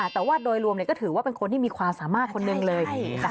แต่ว่าโดยรวมก็ถือว่าเป็นคนที่มีความสามารถคนหนึ่งเลย